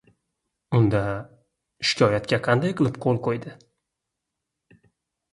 — Unda, shikoyatga qanday qilib qo‘l qo‘ydi?